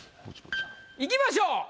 いきましょう。